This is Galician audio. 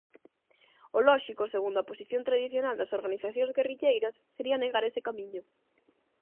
O lóxico segundo á posición tradicional das organizacións guerrilleiras sería negar ese camiño.